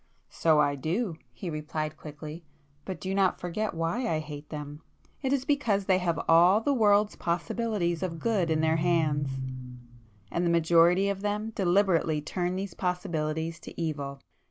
"So I do!" he replied quickly—"But do not forget why I hate them! It is because they have all the world's possibilities of good in their hands, and the majority of them deliberately turn these possibilities to evil.